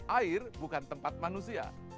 air bukan tempat manusia